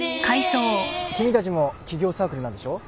君たちも起業サークルなんでしょ？